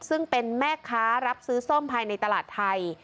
ซึ่งเป็นแม่ค้ารับซื้อส้มภายในตลาดไทย